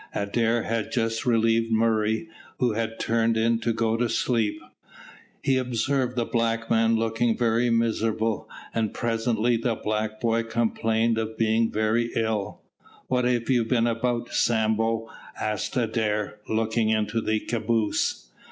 Adair had just relieved Murray, who had turned in to go to sleep. He observed the black man looking very miserable, and presently the black boy complained of being very ill. "What have you been about, Sambo?" asked Adair, looking into the caboose.